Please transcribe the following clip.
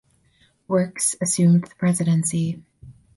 Works assumed the presidency.